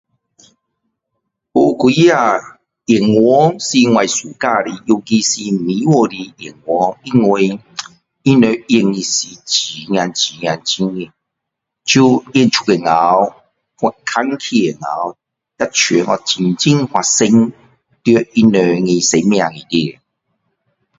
有几个演员是我喜欢的尤其是美国的演员因为他们演的是真呀真呀真的出演出时候去看戏时候好像真正发生在他们的生命里面